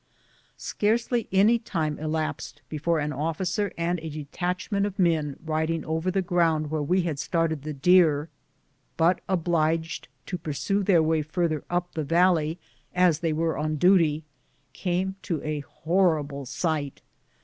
Scarcely any time elapsed before an ofiicer and a de tachment of men riding over the ground where we had started the deer, but obliged to pursue their way further up the valley as they ,were on duty, came to a horrible sight.